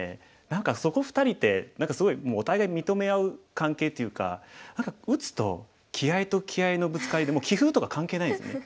何かそこ２人ってすごいもうお互い認め合う関係というか何か打つと気合いと気合いのぶつかりでもう棋風とか関係ないんですよね。